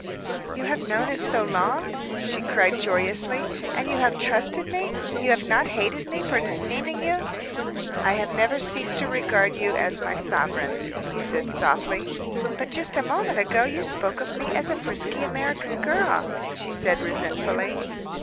"You have known it so long?" she cried joyously. "And you have trusted me? You have not hated me for deceiving you?" "I have never ceased to regard you as my sovereign," he said softly. "But just a moment ago you spoke of me as a frisky American girl," she said resentfully.